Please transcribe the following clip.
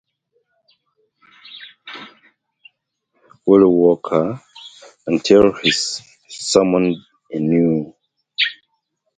Willie Walker until he is summoned anew.